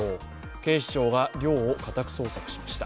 警視庁が寮を家宅捜索しました。